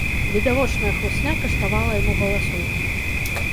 Відавочная хлусня каштавала яму галасоў.